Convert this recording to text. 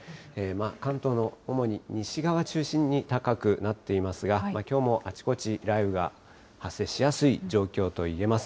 関東の主に西側中心に高くなっていますが、きょうもあちこち雷雨が発生しやすい状況といえます。